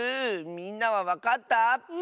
みんなはわかった？